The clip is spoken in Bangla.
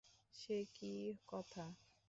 সে কী কথা।